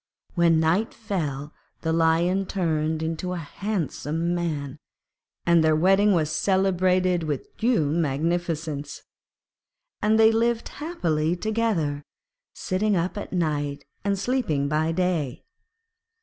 When night fell, the Lion turned into a handsome man, and their wedding was celebrated with due magnificence. And they lived happily together, sitting up at night and sleeping by day.